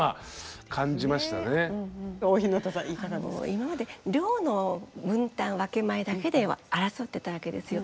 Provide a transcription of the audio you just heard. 今まで量の分担分け前だけで争ってたわけですよ。